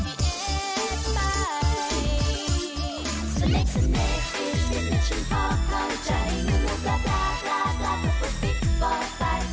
เพลงประกอบละคร